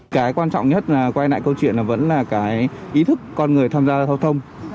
cái quan trọng nhất là quay lại câu chuyện là vẫn là cái ý thức con người tham gia giao thông